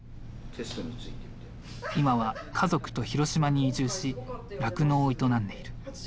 今は家族と広島に移住し酪農を営んでいる。